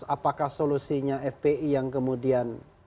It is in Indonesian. apakah solusinya fpi yang kemudian